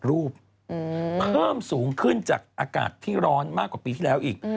รูปเพิ่มสูงขึ้นจากอากาศที่ร้อนมากกว่าปีที่แล้วอีก